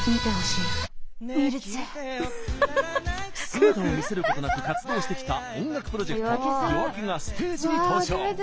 姿を見せることなく活動してきた音楽プロジェクトＹＯＡＫＥがステージに登場！